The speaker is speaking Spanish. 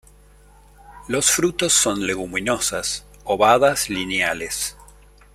Los frutos son leguminosas-ovadas lineales.